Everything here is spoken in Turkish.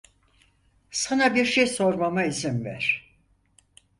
Sana bir şey sormama izin ver.